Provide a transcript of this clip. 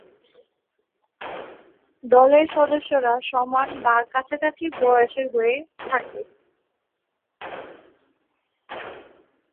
দলের সদস্যরা সমান বা কাছাকাছি বয়সের হয়ে থাকে।